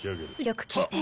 よく聞いて。